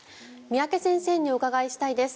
三宅先生にお伺いしたいです。